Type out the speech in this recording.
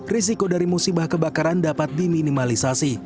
risiko dari musibah kebakaran dapat diminimalisasi